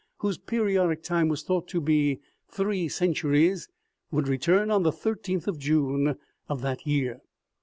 whose periodic time was thought to be three centuries, would return on the i3th of June of that year.